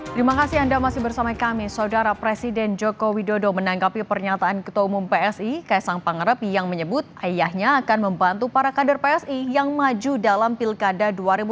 terima kasih anda masih bersama kami saudara presiden joko widodo menanggapi pernyataan ketua umum psi kaisang pangarepi yang menyebut ayahnya akan membantu para kader psi yang maju dalam pilkada dua ribu tujuh belas